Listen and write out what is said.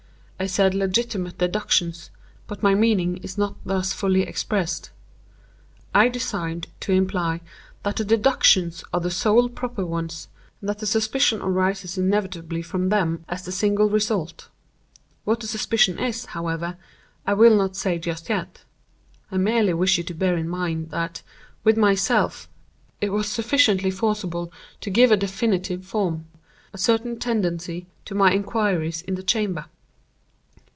I said 'legitimate deductions;' but my meaning is not thus fully expressed. I designed to imply that the deductions are the sole proper ones, and that the suspicion arises inevitably from them as the single result. What the suspicion is, however, I will not say just yet. I merely wish you to bear in mind that, with myself, it was sufficiently forcible to give a definite form—a certain tendency—to my inquiries in the chamber.